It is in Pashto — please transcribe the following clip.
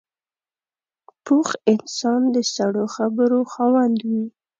پوخ انسان د سړو خبرو خاوند وي